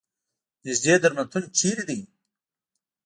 نیږدې درملتون چېرته ده؟